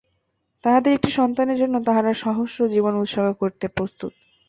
তাঁহাদের একটি সন্তানের জন্য তাঁহারা সহস্র জীবন উৎসর্গ করিতে প্রস্তুত।